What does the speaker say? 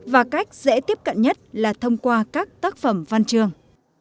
và cách dễ tiếp cận nhất là thông qua các tác phẩm văn trường